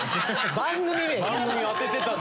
番組当ててたんだ。